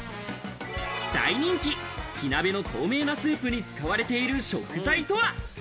大人気火鍋の透明なスープに使われている食材とは？